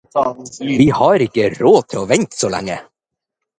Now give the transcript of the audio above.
Vi har ikke råd til å vente så lenge.